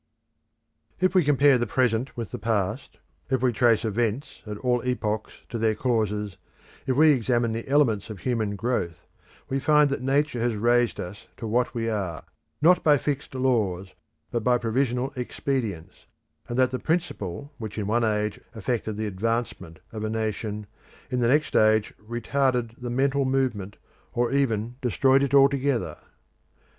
If we compare the present with the past, if we trace events at all epochs to their causes, if we examine the elements of human growth, we find that Nature has raised us to what we are, not by fixed laws, but by provisional expedients, and that the principle which in one age effected the advancement of a nation, in the next age retarded the mental movement, or even destroyed it altogether.